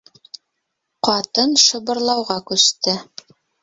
Ҡатын шыбырлауға күсте.